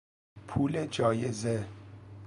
پول جایزه